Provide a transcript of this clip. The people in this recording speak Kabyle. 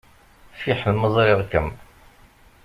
Fiḥel ma ẓriɣ-kem.